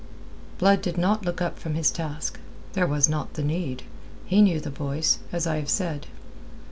Blood did not look up from his task. There was not the need. He knew the voice, as I have said.